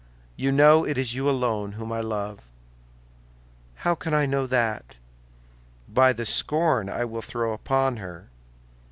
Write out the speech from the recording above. You know it is you alone whom I love." "How can I know that?" "By the scorn I will throw upon her."